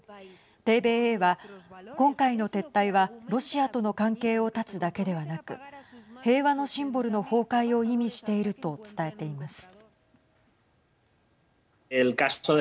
ＴＶＥは今回の撤退はロシアとの関係を絶つだけではなく平和のシンボルの崩壊を意味していると伝えています。